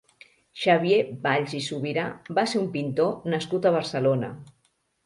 Xavier Valls i Subirà va ser un pintor nascut a Barcelona.